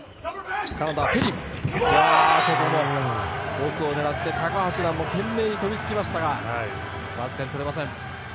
奥を狙って高橋藍も懸命に飛びつきましたがわずかに取れません。